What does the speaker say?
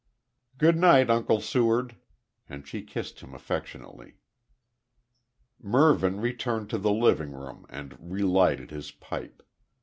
"Good night, Uncle Seward," and she kissed him affectionately. Mervyn returned to the living room and re lighted his pipe.